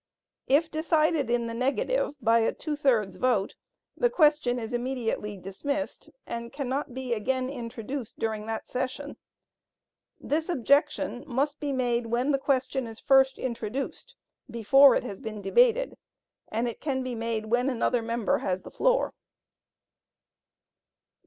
If decided in the negative by a two thirds vote, the question is immediately dismissed, and cannot be again introduced during that session. This objection must be made when the question is first introduced, before it has been debated, and it can be made when another member has the floor.